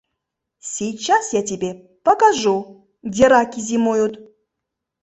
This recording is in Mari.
— Сейчас я тебе покажу, где раки зимуют!..